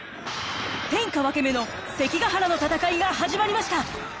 天下分け目の関ヶ原の戦いが始まりました。